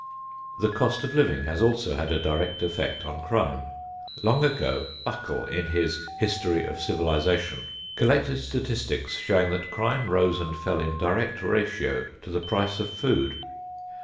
The cost of living has also had a direct effect on crime. Long ago, Buckle, in his "History of Civilization," collected statistics showing that crime rose and fell in direct ratio to the price of food.